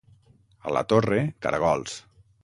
A la Torre, caragols.